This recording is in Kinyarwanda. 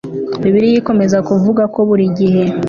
bibiliya ikomeza kuvuga ko buri gihe